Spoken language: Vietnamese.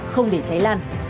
không để cháy lan